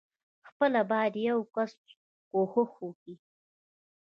خپله بايد يو کس کوښښ وکي.